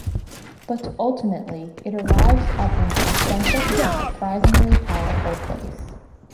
But, ultimately, it arrives at an authentic and surprisingly powerful place.